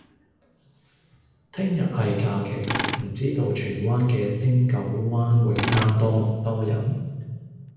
聽日係假期，唔知道荃灣嘅汀九灣泳灘多唔多人？